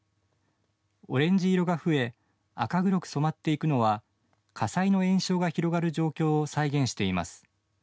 オレンジ色が増え赤黒く染まっていくのは火災の延焼が広がる状況を再現しています。